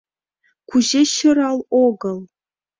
Кузе сӧрал огыл?